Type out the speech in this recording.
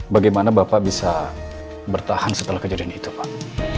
bagaimana bapak bisa bertahan setelah kejadian itu pak